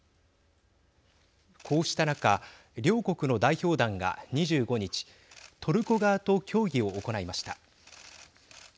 こうした中、両国の代表団が２５日、トルコ側と協議を行いました。